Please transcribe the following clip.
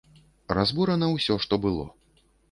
Разбурана ўсё, што было.